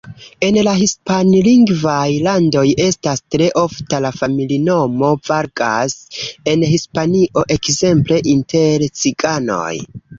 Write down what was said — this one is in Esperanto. En hispanlingvaj landoj estas tre ofta la familinomo Vargas, en Hispanio ekzemple inter ciganoj.